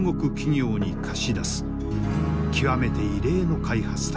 極めて異例の開発だ。